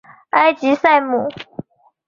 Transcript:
埃吉赛姆。